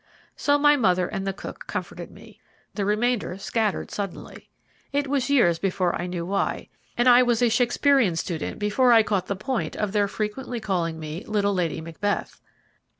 So my mother and the cook comforted me. The remainder scattered suddenly. It was years before I knew why, and I was a Shakespearean student before I caught the point to their frequently calling me 'Little Lady Macbeth!'